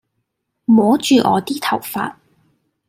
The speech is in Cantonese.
摸住我啲頭髮